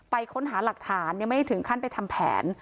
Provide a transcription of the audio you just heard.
ค้นหาหลักฐานยังไม่ได้ถึงขั้นไปทำแผน